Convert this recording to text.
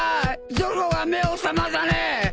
ゾロが目を覚まさねえ！